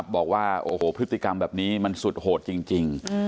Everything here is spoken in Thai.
บอกว่าโอ้โหพฤติกรรมแบบนี้มันสุดโหดจริง